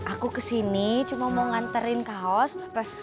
aku kesini cuma mau nganterin kaos